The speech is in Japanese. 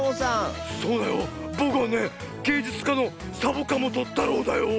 そうだよ。ぼくはねげいじゅつかのサボかもとたろうだよ。